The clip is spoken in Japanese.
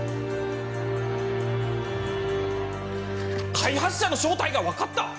開発者の正体が分かった！？